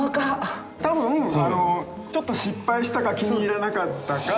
多分ちょっと失敗したか気に入らなかったか。